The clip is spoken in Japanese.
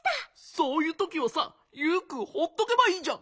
そういうときはさユウくんほっとけばいいじゃん！